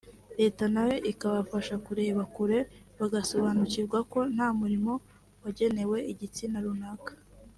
Leta nayo ikabafasha kureba kure bagasobanukirwa ko nta murimo wagenewe igitsina runaka